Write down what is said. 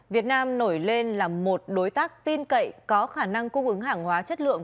việt nam nổi lên là một đối tác tin cậy có khả năng cung ứng hàng hóa chất lượng